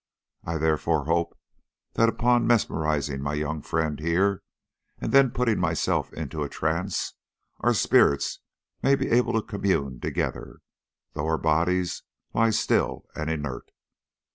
I therefore hope that upon mesmerising my young friend here, and then putting myself into a trance, our spirits may be able to commune together, though our bodies lie still and inert.